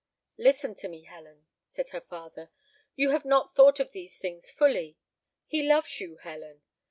"Listen to me, Helen," said her father; "you have not thought of these things fully. He loves you, Helen."